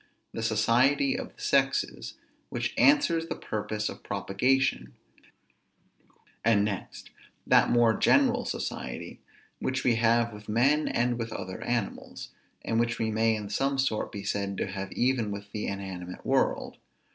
The society of the sexes, which answers the purpose of propagation; and next, that more general society, which we have with men and with other animals, and which we may in some sort be said to have even with the inanimate world.